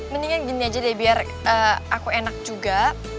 mendingan gini aja deh biar aku enak juga